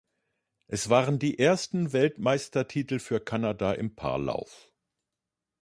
Es waren die ersten Weltmeistertitel für Kanada im Paarlauf.